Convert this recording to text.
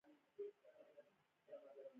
عصري تعلیم مهم دی ځکه چې د مذاکرې مهارتونه ورکوي.